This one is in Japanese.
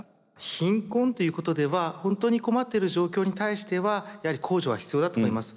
貧困ということでは本当に困っている状況に対してはやはり公助は必要だと思います。